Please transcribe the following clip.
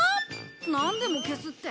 なんでも消すって？